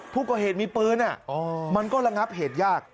ผู้ก่อเหตุมีปืนมันก็ระงับเหตุยาก